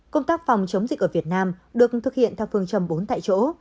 công tác phòng chống dịch ở việt nam được thực hiện theo phương châm bốn tại chỗ